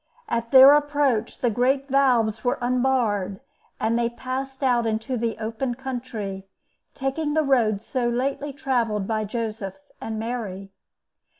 At their approach the great valves were unbarred, and they passed out into the open country, taking the road so lately travelled by Joseph and Mary.